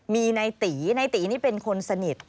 มีนายตีนายตีนี่เป็นคนสนิท